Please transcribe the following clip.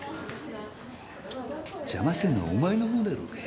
ジャマしてんのはお前のほうだろうがよ。